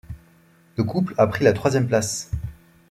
Le couple a pris la troisième place.